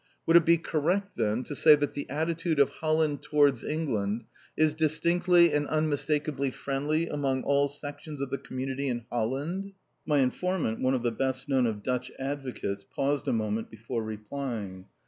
"Would it be correct, then, to say that the attitude of Holland towards England is distinctly and unmistakably friendly among all sections of the community in Holland?" My informant, one of the best known of Dutch advocates, paused a moment before replying.